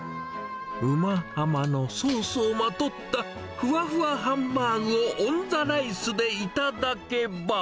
うま甘のソースをまとった、ふわふわハンバーグをオンザライスで頂けば。